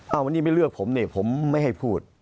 วันนี้ไม่เลือกผมนี่ผมไม่ให้พูด